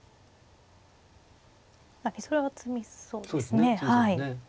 それは詰みそうですね。